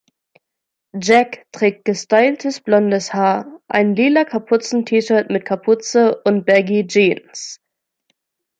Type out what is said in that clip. Jak trägt gestyltes blondes Haar, ein lila Kapuzen-T-Shirt mit Kapuze und Baggy-Jeans.